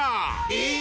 えっ？